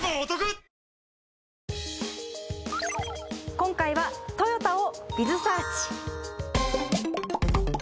今回はトヨタを。